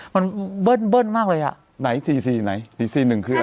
มันเบิ้ลเบิ้ลมากเลยอ่ะไหนสี่สี่ไหนสี่สี่หนึ่งคืออะไร